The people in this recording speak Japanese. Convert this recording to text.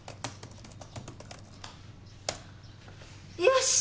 よし！